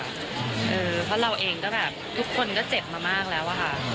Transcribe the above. เพราะเราเองก็แบบทุกคนก็เจ็บมามากแล้วอะค่ะ